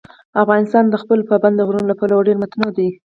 افغانستان د خپلو پابندي غرونو له پلوه ډېر متنوع دی.